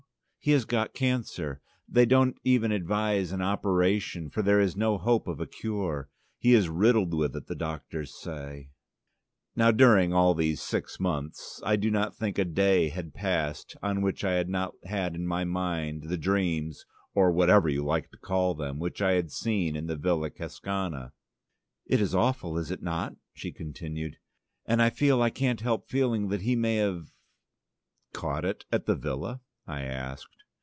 He has got cancer. They don't even advise an operation, for there is no hope of a cure: he is riddled with it, the doctors say." Now during all these six months I do not think a day had passed on which I had not had in my mind the dreams (or whatever you like to call them) which I had seen in the Villa Cascana. "It is awful, is it not?" she continued, "and I feel I can't help feeling, that he may have " "Caught it at the villa?" I asked.